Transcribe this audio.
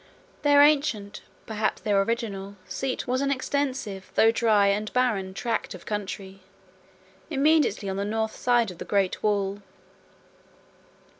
27 Their ancient, perhaps their original, seat was an extensive, though dry and barren, tract of country, immediately on the north side of the great wall.